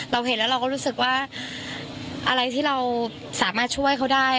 เราเห็นแล้วเราก็รู้สึกว่าอะไรที่เราสามารถช่วยเขาได้